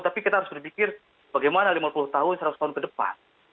tapi kita harus berpikir bagaimana lima puluh tahun seratus tahun ke depan